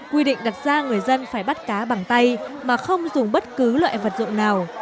quy định đặt ra người dân phải bắt cá bằng tay mà không dùng bất cứ loại vật dụng nào